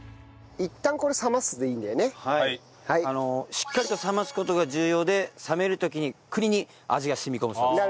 しっかりと冷ます事が重要で冷める時に栗に味が染み込むそうです。